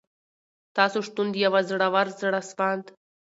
تاسو شتون د یوه زړور، زړه سواند